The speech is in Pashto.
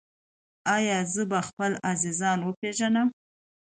ایا زه به خپل عزیزان وپیژنم؟